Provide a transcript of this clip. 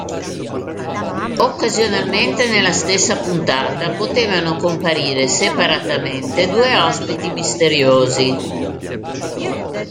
Occasionalmente, nella stessa puntata potevano comparire separatamente due ospiti misteriosi.